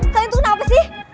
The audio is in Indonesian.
kalian tuh kenapa sih